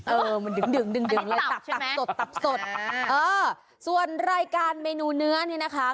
เออมันดึงดึงดึงเลยตับตับสดตับสดเออส่วนรายการเมนูเนื้อนี่นะคะ